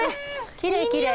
きれいきれい。